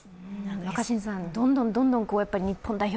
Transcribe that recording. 若新さん、どんどんどんどん日本代表